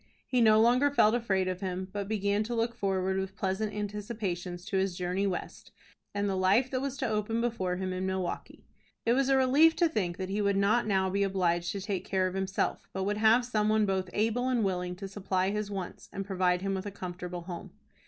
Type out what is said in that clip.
He no longer felt afraid of him, but began to look forward with pleasant anticipations to his journey West, and the life that was to open before him in Milwaukie. It was a relief to think that he would not now be obliged to take care of himself, but would have some one both able and willing to supply his wants, and provide him with a comfortable home.